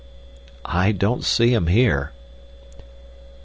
"I don't see 'em here."